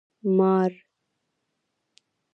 🪱 مار